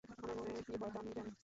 আমার মনে কী হয় সে আমিই জানি।